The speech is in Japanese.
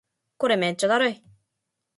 これめっちゃだるい